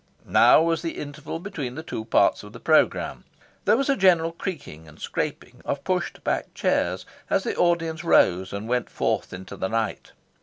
Now was the interval between the two parts of the programme. There was a general creaking and scraping of pushed back chairs as the audience rose and went forth into the night.